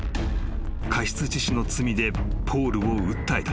［過失致死の罪でポールを訴えた］